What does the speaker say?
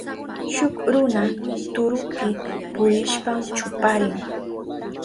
Shuk runa turupi purishpan chuparin.